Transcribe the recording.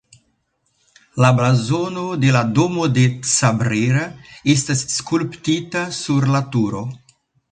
La blazono de la Domo de Cabrera estas skulptita sur la turo.